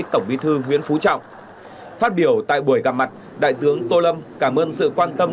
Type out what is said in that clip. tổng bí thư nguyễn phú trọng phát biểu tại buổi gặp mặt đại tướng tô lâm cảm ơn sự quan tâm